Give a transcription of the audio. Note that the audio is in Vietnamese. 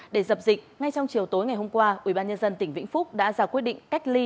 để dập dịch ngay trong chiều tối ngày hôm qua ubnd tỉnh vĩnh phúc đã ra quyết định cách ly